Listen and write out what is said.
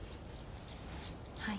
はい。